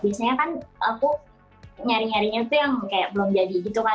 biasanya kan aku nyari nyarinya tuh yang kayak belum jadi gitu kan